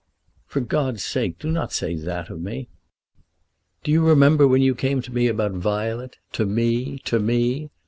"For God's sake do not say that of me." "Do you remember when you came to me about Violet, to me, to me?